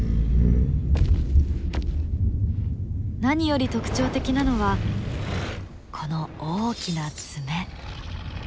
何より特徴的なのはこの大きな爪。